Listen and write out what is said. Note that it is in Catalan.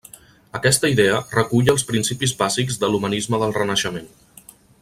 Aquesta idea recull els principis bàsics de l'humanisme del Renaixement.